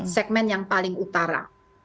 segmen yang paling utara